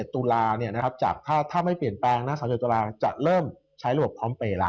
๓๑ตุลาฯถ้าไม่เปลี่ยนแปลง๓๑ตุลาฯจะเริ่มใช้รวบพร้อมเปย์